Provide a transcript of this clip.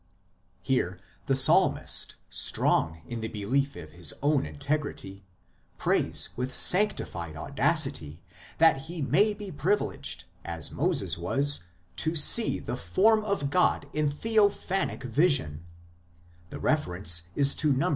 Here the psalmist, strong in the belief of his own integrity, prays with sanctified audacity that he may be privileged, as Moses was, to see the form of God in theophanic vision ; the reference is to Num.